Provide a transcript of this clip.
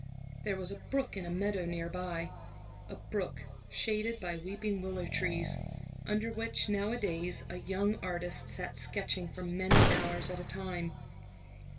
There was a brook in a meadow near by; a brook shaded by weeping willow trees, under which nowadays a young artist sat sketching for many hours at a time.